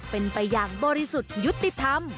เป็นไปอย่างบริสุทธิ์ยุติธรรม